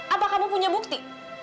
apa kamu punya bukti